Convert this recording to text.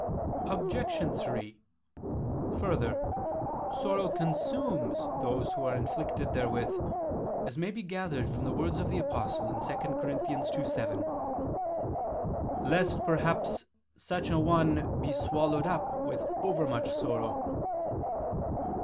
Obj. 3: Further, sorrow consumes those who are inflicted therewith, as may be gathered from the words of the Apostle (2 Cor. 2:7): "Lest perhaps such an one be swallowed up with overmuch sorrow."